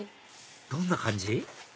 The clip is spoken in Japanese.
どんな感じ？